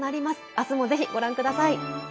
明日もぜひご覧ください。